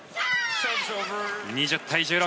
２０対１６。